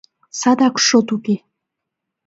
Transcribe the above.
Садак шот уке!